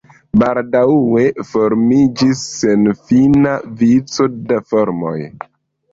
Baldaŭe formiĝis senfina vico da farmoj.